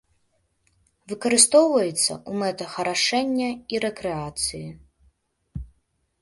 Выкарыстоўваецца ў мэтах арашэння і рэкрэацыі.